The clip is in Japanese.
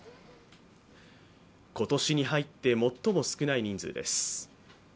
今年に入って最も少ない人数です。